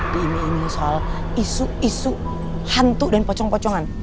diimu imu soal isu isu hantu dan pocong pocongan